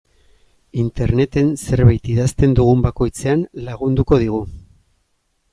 Interneten zerbait idazten dugun bakoitzean lagunduko digu.